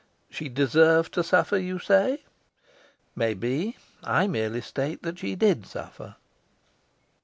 She deserved to suffer, you say? Maybe. I merely state that she did suffer.